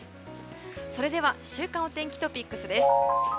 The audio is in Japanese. それでは週間お天気トピックスです。